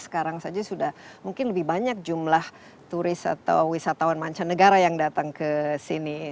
karena saya rasa sudah mungkin lebih banyak jumlah turis atau wisatawan mancanegara yang datang kesini